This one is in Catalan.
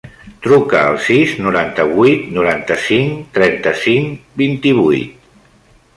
Truca al sis, noranta-vuit, noranta-cinc, trenta-cinc, vint-i-vuit.